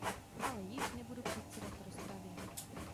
Ale již nebudu předsedat rozpravě.